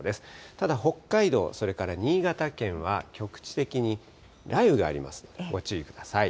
ただ北海道、それから新潟県は局地的に雷雨がありますので、ご注意ください。